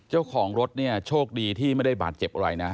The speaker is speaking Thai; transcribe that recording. เจ้าของรถเนี่ยโชคดีที่ไม่ได้บาดเจ็บอะไรนะ